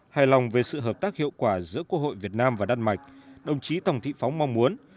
hài lòng về sự hợp tác hiệu quả giữa quốc hội việt nam và đan mạch đồng chí tòng thị phóng mong muốn